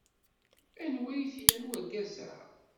Anwa ay t-ilan wergaz-a?